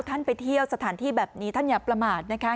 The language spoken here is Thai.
ท่านไปเที่ยวสถานที่แบบนี้ท่านอย่าประมาทนะคะ